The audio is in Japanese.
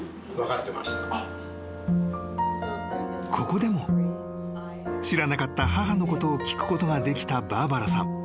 ［ここでも知らなかった母のことを聞くことができたバーバラさん］